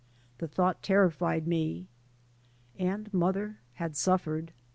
.The thought terrified me. And mother had suffered.